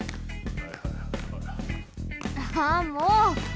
ああもう！